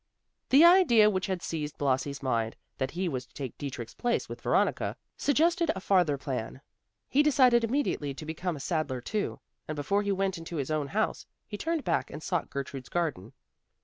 The idea which had seized Blasi's mind that he was to take Dietrich's place with Veronica, suggested a farther plan. He decided immediately to become a saddler too, and before he went into his own house, he turned back and sought Gertrude's garden.